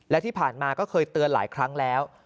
และที่ผ่านมาก็เคยเตือนหลายครั้งแล้ว